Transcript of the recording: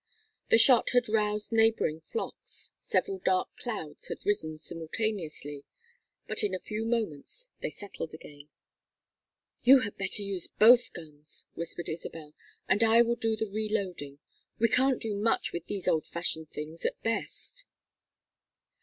The shot had roused neighboring flocks; several dark clouds had risen simultaneously, but in a few moments they settled again. "You had better use both guns," whispered Isabel, "and I will do the reloading. We can't do much with these old fashioned things at best."